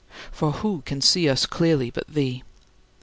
For who can see us clearly but thee?